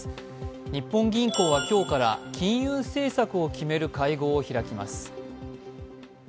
日本銀行は今日から金融政策を決める会合を開きます。